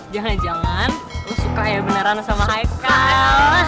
jangan jangan lo suka ya beneran sama haikal